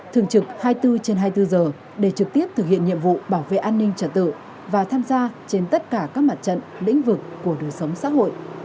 thường trực hai mươi bốn trên hai mươi bốn giờ để trực tiếp thực hiện nhiệm vụ bảo vệ an ninh trả tự và tham gia trên tất cả các mặt trận lĩnh vực của đời sống xã hội